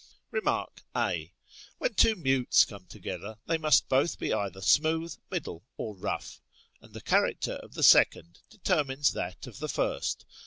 Rem. a. When two mutes come together, they must both be either smooth, middle, or rough, and the character of the second determines that of the first.